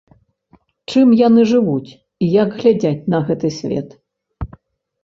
Чым яны жывуць і як глядзяць на гэты свет?